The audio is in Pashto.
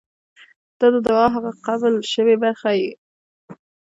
• ته د دعا هغه قبل شوې برخه یې.